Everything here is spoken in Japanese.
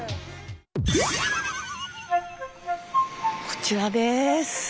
こちらです。